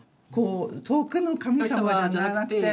遠くの神様じゃなくて。